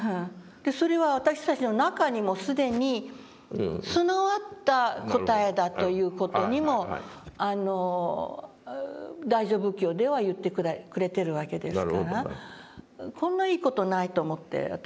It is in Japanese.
それは私たちの中にも既に備わった答えだという事にも大乗仏教では言ってくれてるわけですからこんないい事ないと思って私。